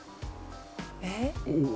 えっ？